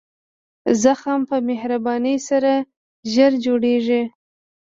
زخم په مهربانۍ سره ژر جوړېږي.